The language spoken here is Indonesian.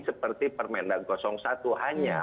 seperti permendang satu hanya